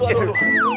aduh aduh aduh